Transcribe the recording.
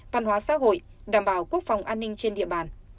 văn hóa xã hội đảm bảo quốc phòng an ninh trên địa bàn